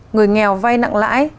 người nghèo vai nặng lãi